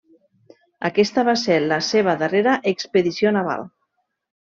Aquesta va ser la seva darrera expedició naval.